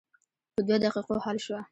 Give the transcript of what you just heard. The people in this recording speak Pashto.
په دوه دقیقو حل شوه.